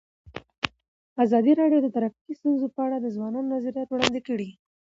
ازادي راډیو د ټرافیکي ستونزې په اړه د ځوانانو نظریات وړاندې کړي.